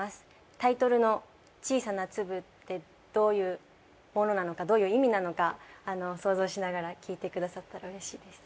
タイトルの『小さな粒』ってどういうものなのかどういう意味なのか想像しながら聴いてくださったらうれしいです。